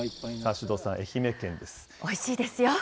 おいしいですよ。